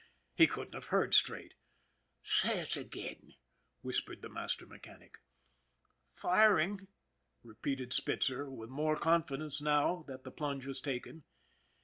He couldn't have heard straight. " Say it again," whispered the master mechanic. " Firing," repeated Spitzer, with more confidence now that the plunge was taken.